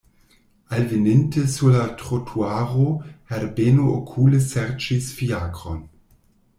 Alveninte sur la trotuaro, Herbeno okule serĉis fiakron.